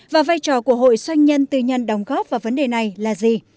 và vai trò của hội doanh nhân tư nhân đóng góp vào vấn đề này là gì